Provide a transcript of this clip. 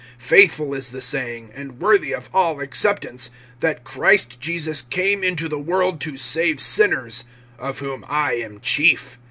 (15)Faithful is the saying, and worthy of all acceptance, that Christ Jesus came into the world to save sinners; of whom I am chief.